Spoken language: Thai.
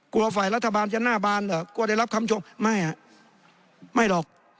กลัวฝ่ายรัฐบาลจะหน้าบานเหรอกลัวได้รับคำโชคไม่อ่ะไม่หรอก